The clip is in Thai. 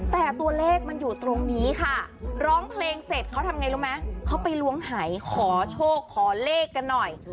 แต่ตัวเลขมันอยู่ตรงนี้ค่ะร้องเพลงเสร็จเขาทำไงรู้ไหมเขาไปล้วงหายขอโชคขอเลขกันหน่อย